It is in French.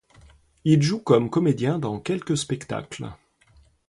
Il joue comme comédien dans quelques spectacles.